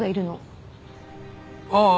ああ。